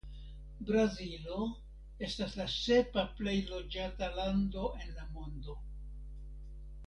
Brazilo estas la sepa plej loĝata lando en la mondo.